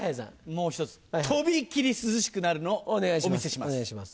もう一つとびきり涼しくなるのをお見せします。